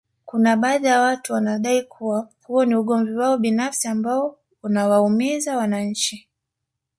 Kuna baadhi ya watu wanadai kuwa huo ni ugomvi wao binafsi ambao unawaumiza wananchi